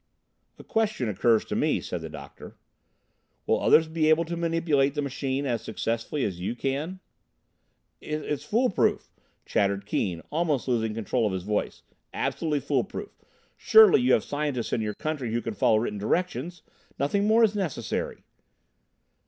"A question occurs to me," said the Doctor: "will others be able to manipulate the machine as successfully as you can?" "It's fool proof," chattered Keane, almost losing control of his voice, "absolutely fool proof. Surely you have scientists in your country who can follow written directions! Nothing more is necessary."